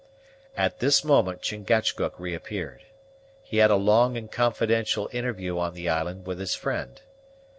At this moment Chingachgook reappeared. He had a long and confidential interview on the island with his friend.